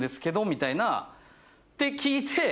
みたいなって聞いて。